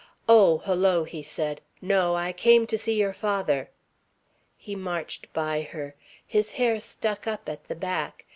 "Oh, hullo," said he. "No. I came to see your father." He marched by her. His hair stuck up at the back.